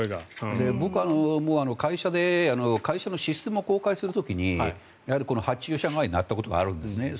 僕は会社のシステムを公開する時に発注者側になったことがあるんですね。